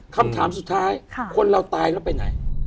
คำถามสุดท้ายคนเราตายแล้วไปไหน